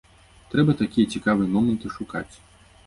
Трэба такія цікавыя моманты шукаць.